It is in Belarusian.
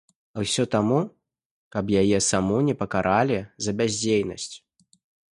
А ўсё таму, каб яе саму не пакаралі за бяздзейнасць.